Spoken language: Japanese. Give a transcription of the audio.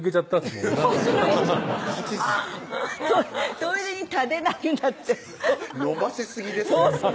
もんなトイレに立てなくなって飲ませすぎですよ